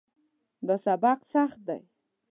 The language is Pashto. دا سبق سخت ده